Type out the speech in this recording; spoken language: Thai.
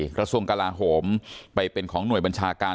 กระทรวงกลาโหมไปเป็นของหน่วยบัญชาการ